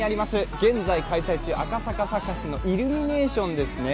現在開催中、赤坂サカスのイルミネーションですね。